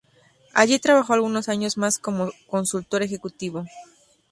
Allí trabajó algunos años más como consultor ejecutivo.